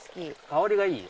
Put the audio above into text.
香りがいい。